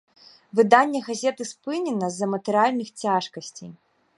Выданне газеты спынена з-за матэрыяльных цяжкасцей.